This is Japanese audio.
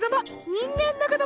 にんげんのこども！